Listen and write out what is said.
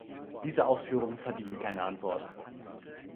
Diese Ausführungen verdienen keine Antwort.